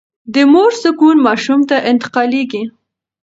د مور سکون ماشوم ته انتقالېږي.